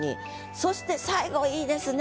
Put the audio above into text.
そして最後いいですね。